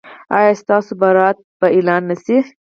ایا ستاسو برات به اعلان نه شي؟